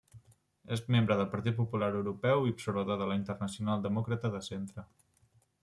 És membre del Partit Popular Europeu i observador de la Internacional Demòcrata de Centre.